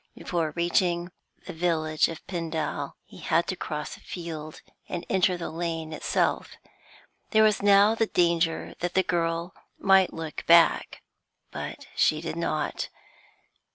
Before reaching the village of Pendal, he had to cross a field, and enter the lane itself. There was now the danger that the girl might look back. But she did not.